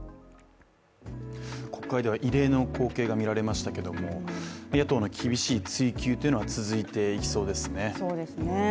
国会では異例の光景が見られましたけれども野党の厳しい追及は続いていきそうですね。